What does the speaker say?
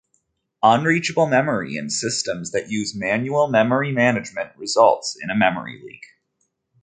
Unreachable memory in systems that use manual memory management results in a memory leak.